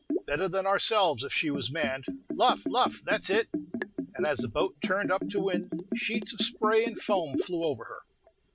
"Better than ourselves, if she was manned. Luff! luff! that's it!" And as the boat turned up to wind, sheets of spray and foam flew over her.